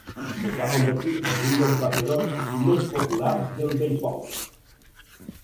Es va convertir en un dels batedor més populars del beisbol.